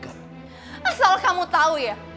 asal kamu tau ya